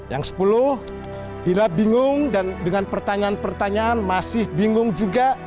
yang sepuluh bila bingung dan dengan pertanyaan pertanyaan masih bingung juga